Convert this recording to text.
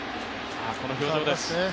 この表情です。